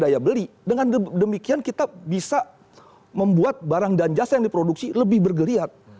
daya beli dengan demikian kita bisa membuat barang dan jasa yang diproduksi lebih bergeliat